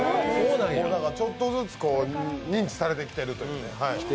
だからちょっとずつ認知されてきているというね。